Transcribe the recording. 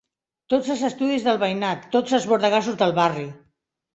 Tots els estudis del veïnat, tots els bordegassos del barri